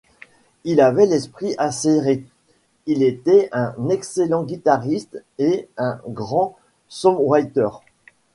Il avait l'esprit acéré, il était un excellent guitariste et un grand songwriter.